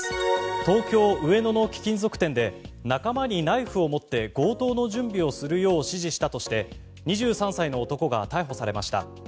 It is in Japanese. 東京・上野の貴金属店で仲間にナイフを持って強盗の準備をするよう指示したとして２３歳の男が逮捕されました。